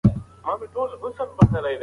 مال او شهرت د ژوند مهمه برخه نه دي.